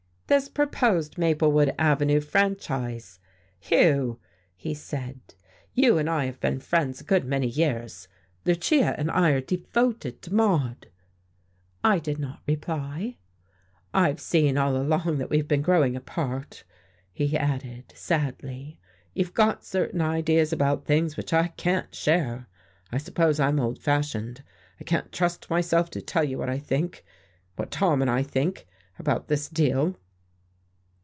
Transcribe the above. "This proposed Maplewood Avenue Franchise. Hugh," he said, "you and I have been friends a good many years, Lucia and I are devoted to Maude." I did not reply. "I've seen all along that we've been growing apart," he added sadly. "You've got certain ideas about things which I can't share. I suppose I'm old fashioned. I can't trust myself to tell you what I think what Tom and I think about this deal."